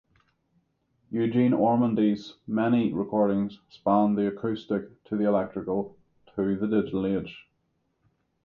Eugene Ormandy's many recordings spanned the acoustic to the electrical to the digital age.